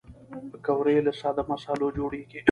پکورې له ساده مصالحو جوړېږي